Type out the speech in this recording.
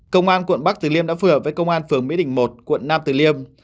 công an quận bắc từ liêm đã phù hợp với công an phường mỹ đình một quận nam từ liêm